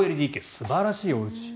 素晴らしいお家。